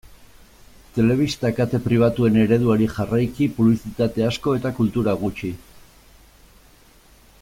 Telebista kate pribatuen ereduari jarraiki publizitate asko eta kultura gutxi.